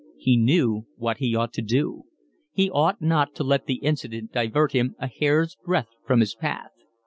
He knew what he ought to do. He ought not to let the incident divert him a hair's breadth from his path.